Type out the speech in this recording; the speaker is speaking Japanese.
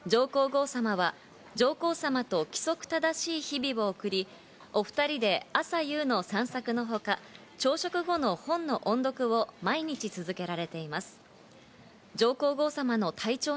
宮内庁によりますと上皇后さまは上皇さまと規則正しい日々を送り、お２人で朝夕の散策のほか、朝食後の本の音読を毎日続けられています。